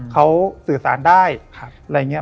เขาสื่อสารได้